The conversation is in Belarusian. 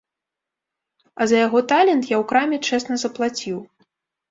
А за яго талент я ў краме чэсна заплаціў.